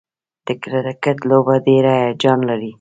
د کرکټ لوبه ډېره هیجان لري.